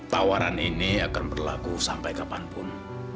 tawaran ini akan berlaku sampai kapanpun